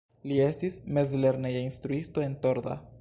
Li estis mezlerneja instruisto en Torda.